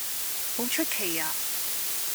好出奇呀